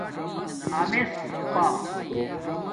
امِسپݳ